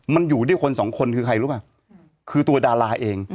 มันอยู่ด้วยคนสองคนคือใครรู้ป่ะคือตัวดาราเอง